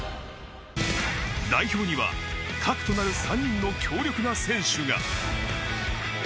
代表には核となる３人の強力な選手が。